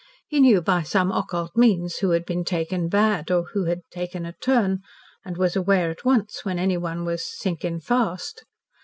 He knew by some occult means who had been "taken bad," or who had "taken a turn," and was aware at once when anyone was "sinkin' fast."